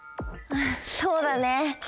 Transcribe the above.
そうだね。